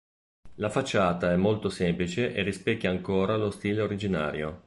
La facciata è molto semplice e rispecchia ancora lo stile originario.